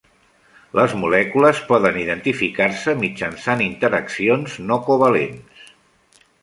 Les molècules poden identificar-se mitjançant interaccions no covalents.